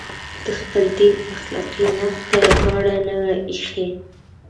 د خپل دین اخلاقي نقد ته یې غاړه نه وي ایښې.